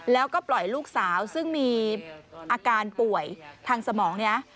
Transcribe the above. แล้วก็ปล่อยลูกสาวซึ่งมีอาการป่วยทางสมองเนี่ย